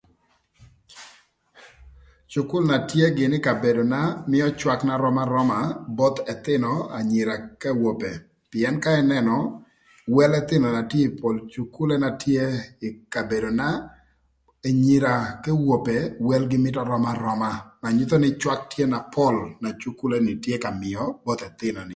Cukul na tye gïnï ï kabedona mïö cwak na röm aröma both ëthïnö anyira k'awope. Pïën ka ïnënö wel ëthïnö na tye ï pol cukkule na tye ï kabedona enyira k'ewope welgï mïtö röm aröma na nyutho nï cwak tye na pol na cukule ni tye ka mïö both ëthïnö ni.